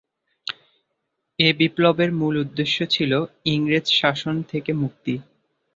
এ বিপ্লবের মূল উদ্দেশ্য ছিলো ইংরেজ শাসন থেকে মুক্তি।